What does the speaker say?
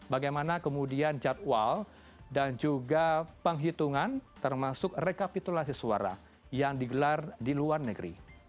bagaimana kemudian jadwal dan juga penghitungan termasuk rekapitulasi suara yang digelar di luar negeri